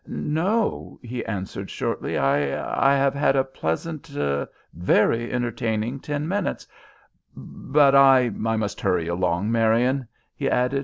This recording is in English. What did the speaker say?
"No," he answered, shortly. "I I have had a pleasant very entertaining ten minutes; but I I must hurry along, Marian," he added.